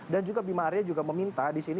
dan juga abimah arya juga meminta di sini